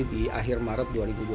di akhir maret dua ribu dua puluh